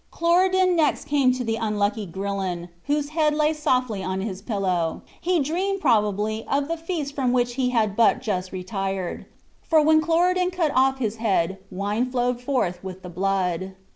Cloridan next came to the unlucky Grillon, whose head lay softly on his pillow. He dreamed probably of the feast from which he had but just retired; for when Cloridan cut off his head wine flowed forth with the blood.